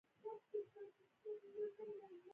ټولنیز وضعیت د مریتوب له منځه لاړ.